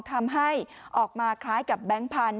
ทำให้ออกมาคล้ายกับแบงค์พันธุ